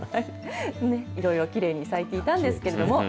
ねっ、いろいろきれいに咲いていたんですけれども。